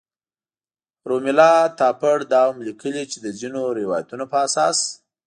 رومیلا تاپړ دا هم لیکلي چې د ځینو روایتونو په اساس.